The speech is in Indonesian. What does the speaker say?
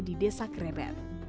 di desa krebet